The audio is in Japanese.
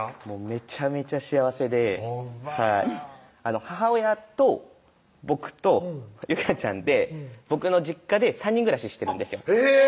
めちゃめちゃ幸せでほんまぁ母親と僕と有果ちゃんで僕の実家で３人暮らししてるんですよへぇ！